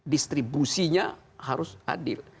distribusinya harus adil